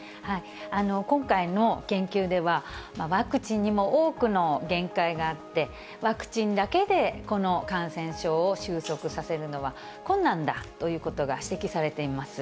今回の研究では、ワクチンにも多くの限界があって、ワクチンだけでこの感染症を収束させるのは困難だということが指摘されています。